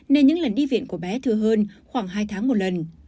nên những lần đi viện của bé thừa hơn khoảng hai tháng một lần